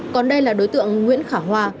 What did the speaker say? còn đây là đối tượng nguyễn khả hoa